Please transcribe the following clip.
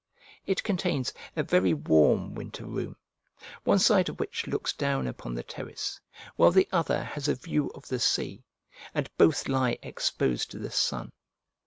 It contains a very warm winter room, one side of which looks down upon the terrace, while the other has a view of the sea, and both lie exposed to the sun.